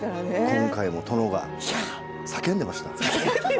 今回も殿が叫んでいました。